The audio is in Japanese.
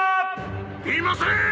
いません！